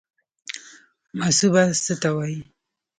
مصوبه څه ته وایي؟